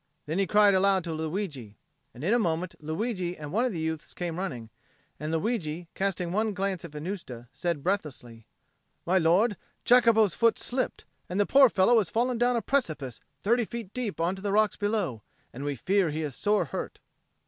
Then he cried aloud to Luigi. And in a moment Luigi and one of the youths came running; and Luigi, casting one glance at Venusta, said breathlessly, "My lord, Jacopo's foot slipped, and the poor fellow has fallen down a precipice thirty feet deep on to the rocks below, and we fear that he is sore hurt."